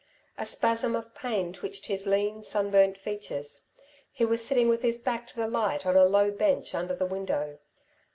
A spasm of pain twitched his lean, sunburnt features. He was sitting with his back to the light on a low bench under the window.